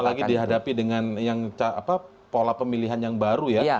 apalagi dihadapi dengan yang pola pemilihan yang baru ya